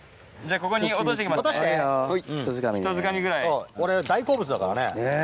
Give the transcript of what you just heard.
これ大好物だからね